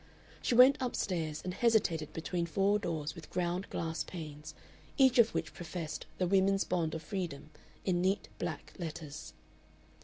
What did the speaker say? She went up stairs and hesitated between four doors with ground glass panes, each of which professed "The Women's Bond of Freedom" in neat black letters.